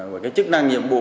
về chức năng nhiệm vụ